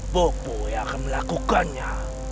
popo yang akan melakukannya